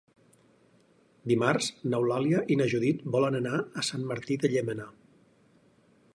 Dimarts n'Eulàlia i na Judit volen anar a Sant Martí de Llémena.